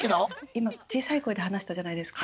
今小さい声で話したじゃないですか。